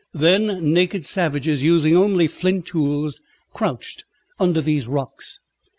Then naked savages, using only flint tools, crouched under these rocks.